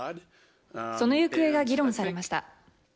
その行方が議論されました。